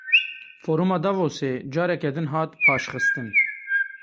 Foruma Davosê careke din hat paşxistin.